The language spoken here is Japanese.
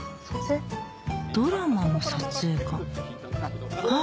ドラマの撮影かあっ！